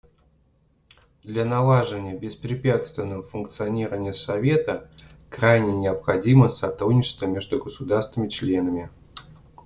Для налаживания беспрепятственного функционирования Совета крайне необходимо сотрудничество между государствами-членами.